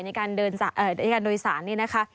ในการโดยสารนี่นะคะ